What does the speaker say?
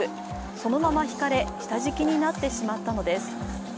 そのままひかれ、下敷きになってしまったのです。